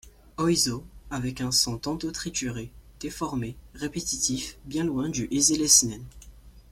Oizo, avec un son tantôt trituré, déformé, répétitif... bien loin du easy listening.